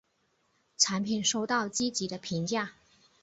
产品收到积极的评价。